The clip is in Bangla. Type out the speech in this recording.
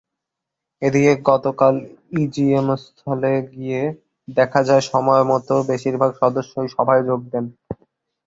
এদিকে গতকাল ইজিএমস্থলে গিয়ে দেখা যায়, সময়মতো বেশির ভাগ সদস্যই সভায় যোগ দেন।